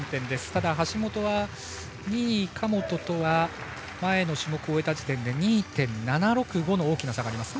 ただ、橋本は２位、神本とは前の種目を終えた時点で２．７６５と大きな差があります。